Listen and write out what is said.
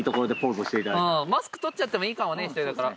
マスク取っちゃってもいいかもね１人だから。